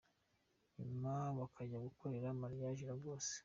nyuma bakajya gukorera marriage i Lagos.